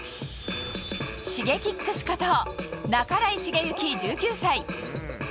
Ｓｈｉｇｅｋｉｘこと半井重幸、１９歳。